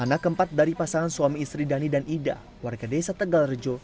anak keempat dari pasangan suami istri dhani dan ida warga desa tegal rejo